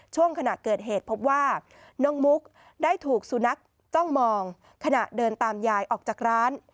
ช่วงขณะเกิดเหตุพบว่าน้องมุกได้ถูกสุนัขจ้องมองขณะเดินตามยายออกจากร้าน